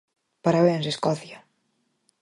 Parabéns Escocia!